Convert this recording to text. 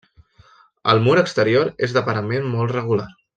El mur exterior és de parament molt regular.